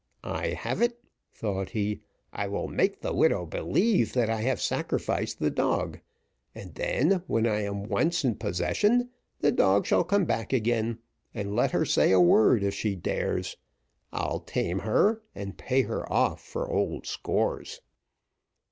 "I have it," thought he; "I will make the widow believe that I have sacrificed the dog, and then, when I am once in possession, the dog shall come back again, and let her say a word if she dares; I'll tame her; and pay her off for old scores."